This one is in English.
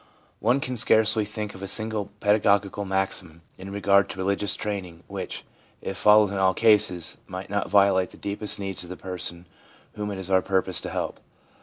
One can scarcely think of a single pedagogical maxim in regard to religious training which, if followed in all cases, might not violate the deepest needs of the person whom it is our purpose to help.